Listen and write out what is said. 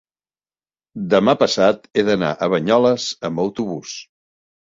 demà passat he d'anar a Banyoles amb autobús.